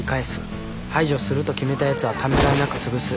排除すると決めたやつはためらいなく潰す。